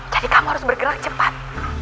jadi kamu harus bergerak cepat